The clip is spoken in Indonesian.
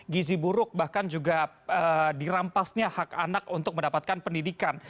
gizi buruk bahkan juga dirampasnya hak anak untuk mendapatkan pendidikan